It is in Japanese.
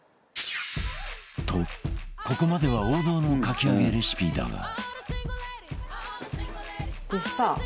とここまでは王道のかき揚げレシピだが